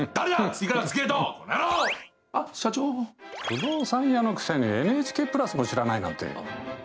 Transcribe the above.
不動産屋のくせにＮＨＫプラスも知らないなんて。